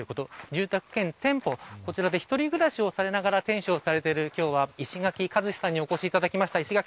住宅兼店舗、こちらで一人暮らしをされながら店主をしている石垣一至さんにお越しいただきました。